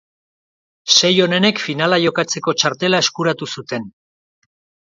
Sei onenek finala jokatzeko txartela eskuratu zuten.